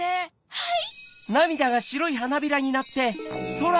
はい！